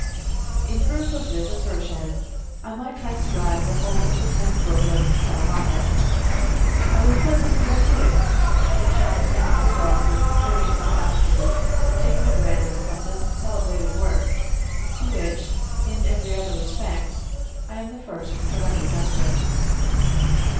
In proof of this assertion, I might transcribe the whole of the tenth book of "Telemachus." I refer the reader to it, and shall content myself with quoting some passages taken at random from this celebrated work, to which, in every other respect, I am the first to render justice.